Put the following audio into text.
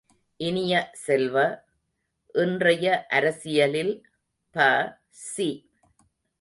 இனிய செல்வ, இன்றைய அரசியலில் ப.சி.